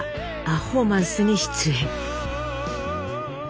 「ア・ホーマンス」に出演。